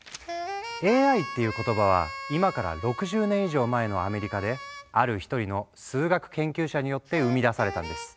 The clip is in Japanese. ＡＩっていう言葉は今から６０年以上前のアメリカである一人の数学研究者によって生み出されたんです。